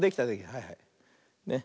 はいはい。ね。